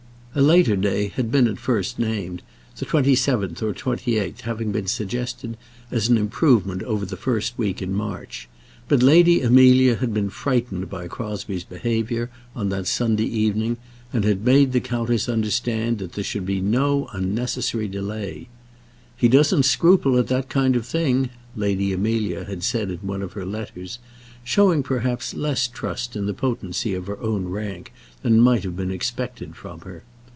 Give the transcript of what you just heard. A later day had been at first named, the twenty seventh or twenty eighth having been suggested as an improvement over the first week in March; but Lady Amelia had been frightened by Crosbie's behaviour on that Sunday evening, and had made the countess understand that there should be no unnecessary delay. "He doesn't scruple at that kind of thing," Lady Amelia had said in one of her letters, showing perhaps less trust in the potency of her own rank than might have been expected from her.